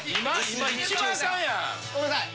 ごめんなさい。